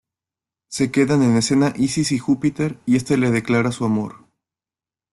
Se quedan en escena Isis y Júpiter y este le declara su amor.